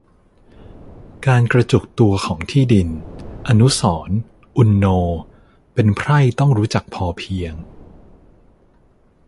การกระจุกตัวของที่ดิน อนุสรณ์ อุณโณ: เป็นไพร่ต้องรู้จักพอเพียง